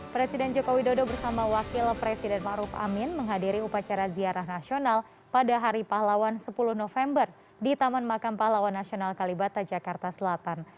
presiden jokowi dodo bersama wakil presiden ⁇ maruf ⁇ amin menghadiri upacara ziarah nasional pada hari pahlawan sepuluh november di taman makam pahlawan nasional kalibata jakarta selatan